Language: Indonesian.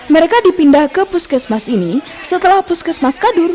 mereka dipindah ke puskesmas ini setelah puskesmas kadur